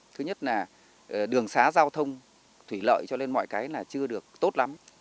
thứ nhất là đường xá giao thông thủy lợi cho lên mọi cái là chưa được tốt lắm